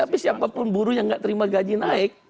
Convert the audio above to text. tapi siapapun buruh yang nggak terima gaji naik